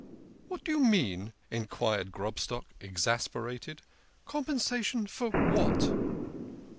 "What do you mean? " enquired Grobstock, exasperated. " Compensation for what?